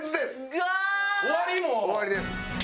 終わりです。